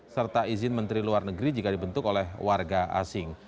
serta izin menteri luar negeri jika dibentuk oleh warga asing